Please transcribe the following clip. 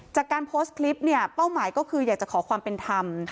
จากการโพสต์คลิปเนี่ยเป้าหมายก็คืออยากจะขอความเป็นธรรม